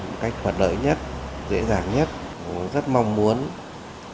một cách hoạt lợi nhất dễ dàng nhất rất mong muốn có các nhà đầu tư lớn để phát triển